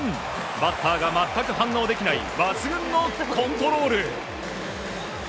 バッターが全く反応できない抜群のコントロール！